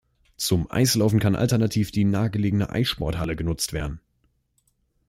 Zum Eislaufen kann alternativ die nahegelegene Eissporthalle genutzt werden.